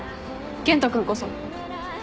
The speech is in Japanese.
健人君こそ。